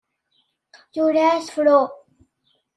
Yura asefru.